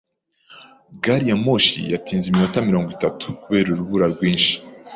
Gari ya moshi yatinze iminota mirongo itatu kubera urubura rwinshi.